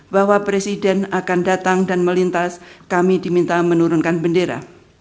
bahwa presiden akan datang dan melintas kami diminta menurunkan bendera